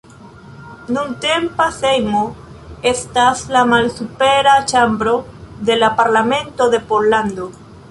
Nuntempa Sejmo estas la malsupera ĉambro de la parlamento de Pollando.